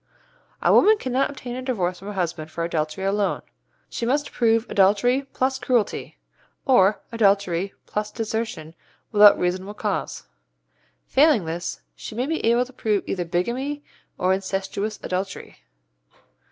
A woman cannot obtain a divorce from her husband for adultery alone. She must prove adultery plus cruelty, or adultery plus desertion without reasonable cause. Failing this, she may be able to prove either bigamy or incestuous adultery.